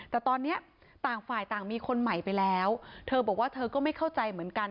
แต่ตอนนี้ต่างฝ่ายต่างมีคนใหม่ไปแล้วเธอบอกว่าเธอก็ไม่เข้าใจเหมือนกัน